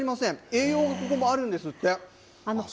栄養がここもあるんですって。